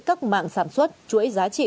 các mạng sản xuất chuỗi giá trị